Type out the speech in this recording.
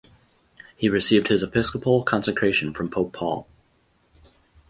He received his episcopal consecration from Pope Paul.